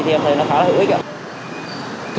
thì em thấy nó khá là hữu ích ạ